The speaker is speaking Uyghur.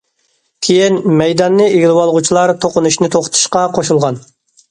كېيىن، مەيداننى ئىگىلىۋالغۇچىلار توقۇنۇشنى توختىتىشقا قوشۇلغان.